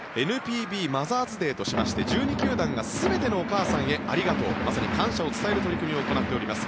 ＮＰＢマザーズデーとしまして１２球団が全てのお母さんへありがとうまさに感謝を伝える取り組みを行っております。